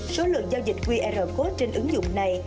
số lượng giao dịch qr code trên ứng dụng này